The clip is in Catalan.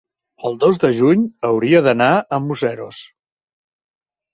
El dos de juny hauria d'anar a Museros.